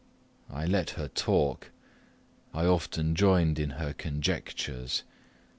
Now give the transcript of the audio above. I let her talk I often joined in her conjectures.